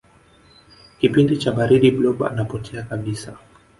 kipindi cha baridi blob anapotea kabisa